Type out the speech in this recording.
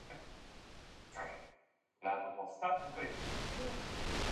The Abbey launched several raids into Unterwalden to support Habsburg ambitions.